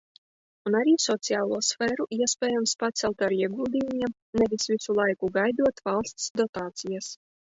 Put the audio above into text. Un arī sociālo sfēru iespējams pacelt ar ieguldījumiem, nevis visu laiku gaidot valsts dotācijas.